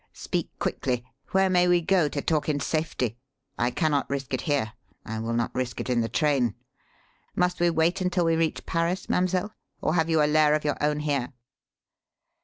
Speak quickly; where may we go to talk in safety? I cannot risk it here I will not risk it in the train. Must we wait until we reach Paris, mademoiselle? Or have you a lair of your own here?"